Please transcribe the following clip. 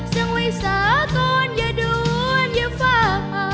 ซึ่งไว้เสาะก่อนอย่าดูนอย่าเฝ้า